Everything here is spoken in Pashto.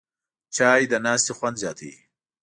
چای د ناستې خوند زیاتوي